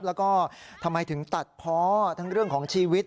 แล้วก็ทำไมถึงตัดเพาะทั้งเรื่องของชีวิต